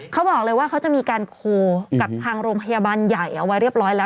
เขาบอกเลยว่าเขาจะมีการโคลกับทางโรงพยาบาลใหญ่เอาไว้เรียบร้อยแล้ว